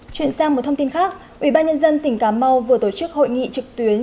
chuyển sang một thông tin khác ủy ban nhân dân tỉnh cà mau vừa tổ chức hội nghị trực tuyến